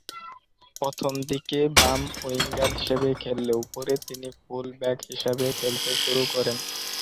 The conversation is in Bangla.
প্রথমদিকে বাম উইঙ্গার হিসেবে খেললেও পরে তিনি ফুল ব্যাক হিসেবে খেলতে শুরু করেন।